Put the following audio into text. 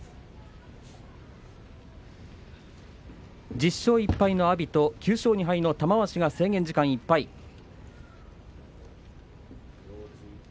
１０勝１敗の阿炎と９勝２敗の玉鷲が制限時間いっぱいです。